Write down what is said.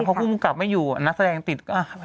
พอผู้กรุงกลับไม่อยู่นะแสดงติดอ่ะถ่ายไป